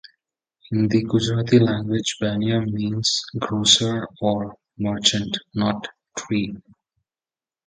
In the Gujarati language, "banya" means "grocer or merchant", not "tree".